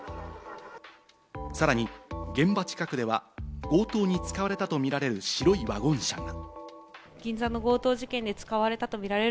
さらに現場近くでは強盗に使われたとみられる白いワゴン車が。